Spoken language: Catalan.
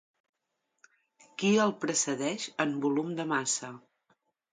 Qui el precedeix en volum de massa?